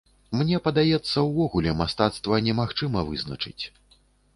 Мне падаецца, увогуле мастацтва немагчыма вызначыць.